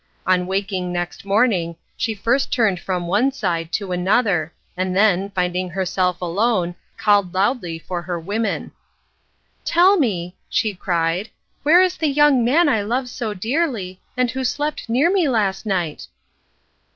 On waking next morning she first turned from one side to another and then, finding herself alone, called loudly for her women. "Tell me," she cried, "where is the young man I love so dearly, and who slept near me last night?"